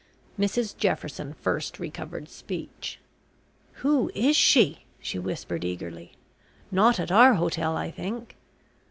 Mrs Jefferson first recovered speech. "Who is she?" she whispered eagerly. "Not at our hotel I think.